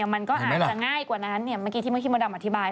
มันก็อาจจะง่ายกว่านั้นเมื่อกี้ที่มดอธิบาย